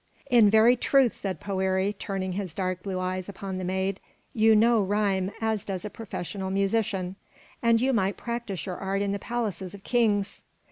"In very truth," said Poëri, turning his dark blue eyes upon the maid, "you know rhythm as does a professional musician, and you might practise your art in the palaces of kings.